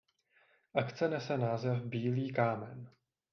Akce nese název Bílý kámen.